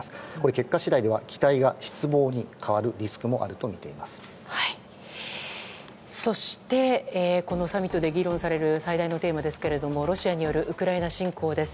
結果次第では期待が失望に変わるこのサミットで議論される最大のテーマですがロシアによるウクライナ侵攻です。